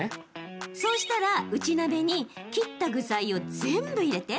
そうしたら内鍋に切った具材を全部入れて。